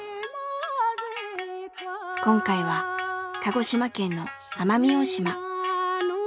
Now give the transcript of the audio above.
今回は鹿児島県の奄美大島。